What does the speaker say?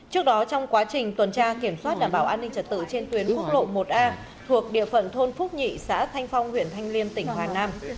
trước đó trong quá trình tuần tra kiểm soát đảm bảo an ninh trật tự trên tuyến quốc lộ một a thuộc địa phận thôn phúc nhị xã thanh phong huyện thanh liêm tỉnh hà nam